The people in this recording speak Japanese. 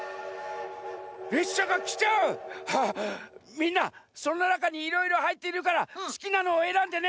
みんなそのなかにいろいろはいってるからすきなのをえらんでね。